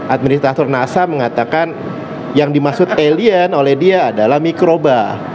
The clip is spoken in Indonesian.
administrator nasa mengatakan yang dimaksud alien oleh dia adalah mikroba